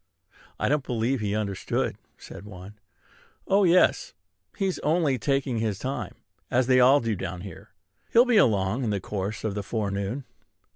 "I don't believe he understood," said one. "Oh, yes! He's only taking his time, as they all do down here. He'll be along in the course of the forenoon."